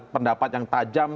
pendapat yang tajam